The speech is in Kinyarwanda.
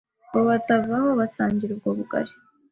ngo batavaho basangira ubwo bugari,